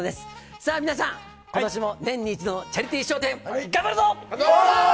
さあ皆さん、ことしも年に１度のチャリティー笑点、頑張るぞ！